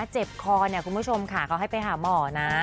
เจ็บคอเนี่ยคุณผู้ชมค่ะเขาให้ไปหาหมอนะ